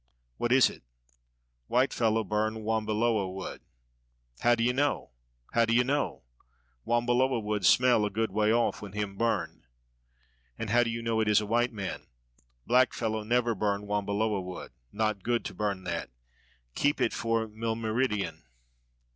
"What is it?" "White fellow burn wambiloa wood." "How d'ye know? how d'ye know?" "Wambiloa wood smell a good way off when him burn." "And how do you know it is a white man?" "Black fellow never burn wambiloa wood; not good to burn that. Keep it for milmeridien."